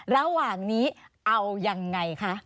ระหว่างนี้เอายังไงคะ